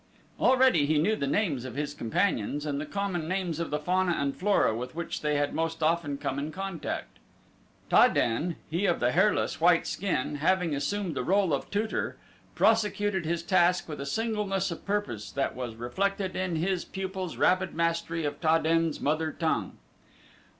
Already he knew the names of his companions and the common names of the fauna and flora with which they had most often come in contact. Ta den, he of the hairless, white skin, having assumed the role of tutor, prosecuted his task with a singleness of purpose that was reflected in his pupil's rapid mastery of Ta den's mother tongue.